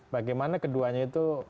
bagaimana keduanya itu